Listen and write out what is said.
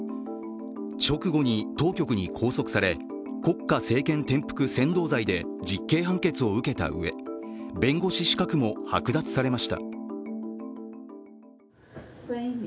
直後に当局に拘束され、国家政権転覆扇動罪で実刑判決を受けたうえ弁護士資格も剥奪されました。